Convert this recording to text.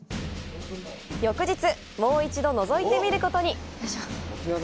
翌日もう一度のぞいてみることに。